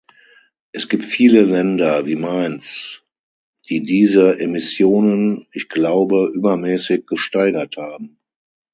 Es gibt viele Länder, wie meins, die diese Emissionen ich glaube, übermäßig gesteigert haben.